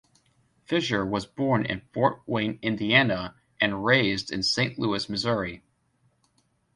Fischer was born in Fort Wayne, Indiana, and raised in Saint Louis, Missouri.